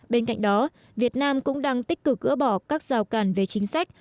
bên cạnh đó việt nam cũng đang tích cực gỡ bỏ các rào cản về chính sách